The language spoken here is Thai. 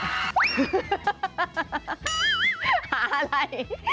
หาอะไร